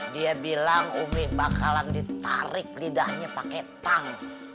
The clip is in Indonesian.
dia bilang umi bakalan ditarik lidahnya pakai tang